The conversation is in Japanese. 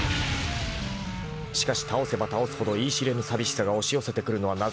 ［しかし倒せば倒すほど言い知れぬ寂しさが押し寄せてくるのはなぜか？］